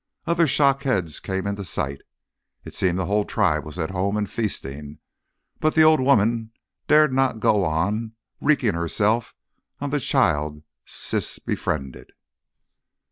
Other shock heads came into sight. It seemed the whole tribe was at home and feasting. But the old woman dared not go on wreaking herself on the child Siss befriended.